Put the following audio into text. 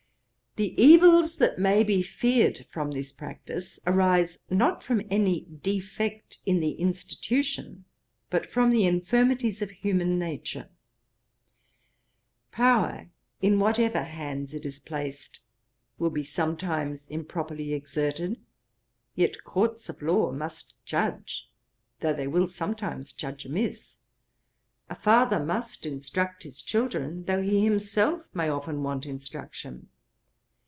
The evils that may be feared from this practice arise not from any defect in the institution, but from the infirmities of human nature. Power, in whatever hands it is placed, will be sometimes improperly exerted; yet courts of law must judge, though they will sometimes judge amiss. A father must instruct his children, though he himself may often want instruction.